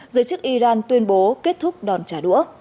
giới chức iran tuyên bố kết thúc đòn trả đũa